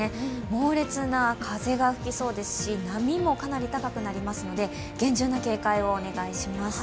猛烈な風が吹きそうですし波もかなり高くなりますので厳重な警戒をお願いします。